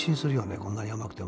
こんなに甘くても。